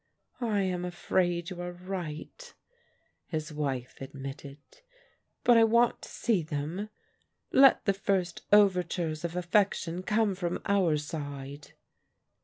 " I am afraid you are right," his wife admitted, " but I want to see them. Let the first overtures of affection come from our side."